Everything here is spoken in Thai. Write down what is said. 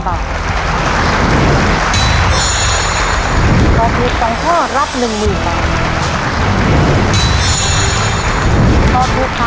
ตอบถูก๒ข้อรับ๑๐๐๐บาท